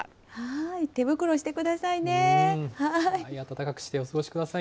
手袋してくださいね。